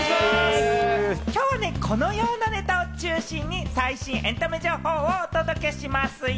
きょうね、このようなネタを中心に最新エンタメ情報をお届けしますよ。